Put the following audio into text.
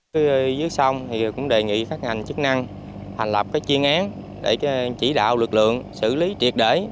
phía dưới sông thì cũng đề nghị các ngành chức năng thành lập cái chuyên án để chỉ đạo lực lượng xử lý triệt để